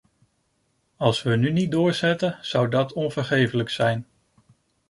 Als we nu niet doorzetten, zou dat onvergeeflijk zijn.